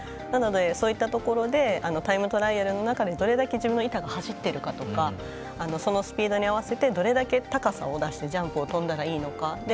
なので、そういったところでタイムトライアルの中でどれだけ自分の板が走っているかとかそのスピードに合わせてどれだけ高さを出してジャンプをとんだらいいか。